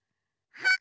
はっ